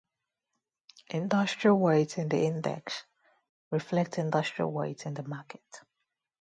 Industry weights in the index reflect industry weights in the market.